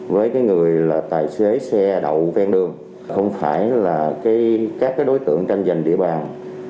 với người là tài xế xe đậu ven đường không phải là các đối tượng tranh giành địa bàn